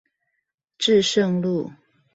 至聖路